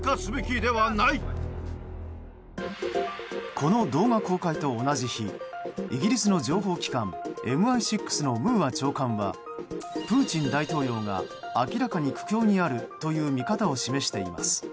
この動画公開と同じ日イギリスの情報機関ＭＩ６のムーア長官は、プーチン大統領が明らかに苦境にあるという見方を示しています。